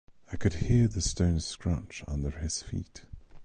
I could hear the stones scrunch under his feet.